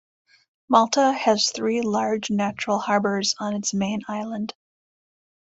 Malta has three large natural harbours on its main island.